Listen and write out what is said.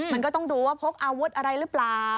มันก็ต้องดูว่าพกอาวุธอะไรหรือเปล่า